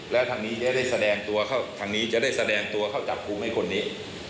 แล้วทางนี้จะได้แสดงตัวเข้าทางนี้จะได้แสดงตัวเข้าจับกลุ่มให้คนนี้